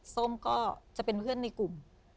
ส้มก็จะเป็นเพื่อนในกลุ่ม